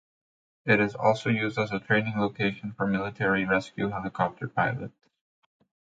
It is also used as a training location for military rescue helicopter pilots.